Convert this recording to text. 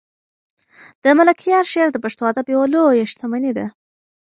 د ملکیار شعر د پښتو ادب یوه لویه شتمني ده.